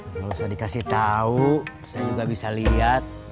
nggak usah dikasih tahu saya juga bisa lihat